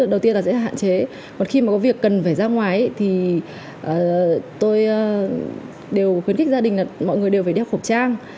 đầu tiên là sẽ hạn chế còn khi có việc cần phải ra ngoài tôi khuyến khích gia đình mọi người đều phải đeo khẩu trang